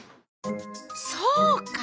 そうか！